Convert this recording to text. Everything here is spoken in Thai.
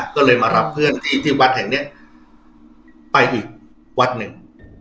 ก็เลยมารับเพื่อนที่ที่วัดแห่งนี้ไปอีกวัดหนึ่ง